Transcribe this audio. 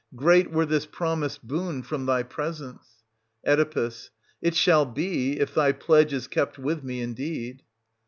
Great were this promised boon from thy presence. Oe. It shall be — if thy pledge is kept with me indeed.